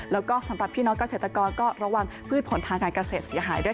แล้วก็สำหรับพี่น้องเกษตรกรก็ระวังพืชผลทางการเกษตรเสียหายด้วย